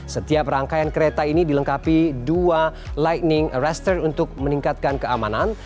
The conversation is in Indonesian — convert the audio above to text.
setiap rangkaian kereta ini dilengkapi dua lightning arestor untuk meningkatkan keamanan